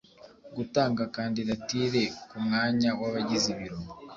gutanga kandidatire ku mwanya w’abagize biro